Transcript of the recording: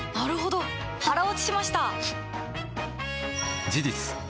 腹落ちしました！